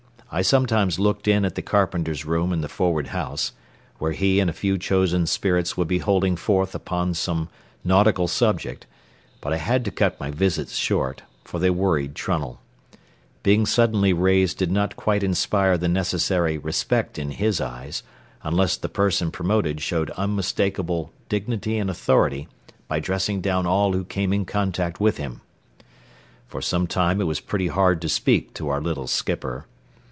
I sometimes looked in at the carpenter's room in the forward house, where he and a few chosen spirits would be holding forth upon some nautical subject, but I had to cut my visits short, for they worried Trunnell. Being suddenly raised did not quite inspire the necessary respect in his eyes, unless the person promoted showed unmistakable dignity and authority by dressing down all who came in contact with him. For some time it was pretty hard to speak to our little skipper.